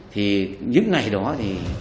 thì những ngày đó thì